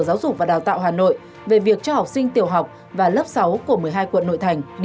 giáo dục và đào tạo hà nội về việc cho học sinh tiểu học và lớp sáu của một mươi hai quận nội thành